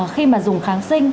khi mà dùng kháng sinh